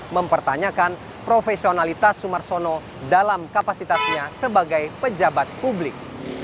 mempertanyakan profesionalitas sumarsono dalam kapasitasnya sebagai pejabat publik